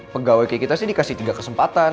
pegawai kayak kita sih dikasih tiga kesempatan